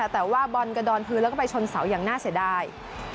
แต่ว่าบอลกระดอนพื้นแล้วก็ไปชนเสาอย่างน่าเสียดาย